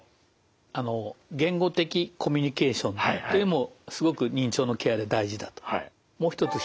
あの言語的コミュニケーションというのもすごく認知症のケアで大事だと。